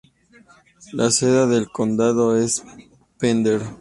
La sede del condado es Pender.